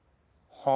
はあ？